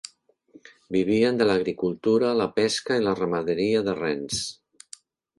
Vivien de l'agricultura, la pesca i la ramaderia de rens.